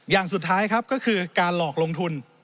อย่างสุดท้ายครับก็คือการหลอกลงทุน